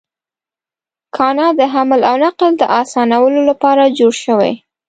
کانال د حمل او نقل د اسانولو لپاره جوړ شوی.